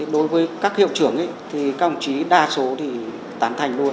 đối với các hiệu trưởng thì các ông chí đa số thì tán thành luôn